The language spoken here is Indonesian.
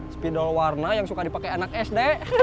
spidol warna yang suka dipakai anak sd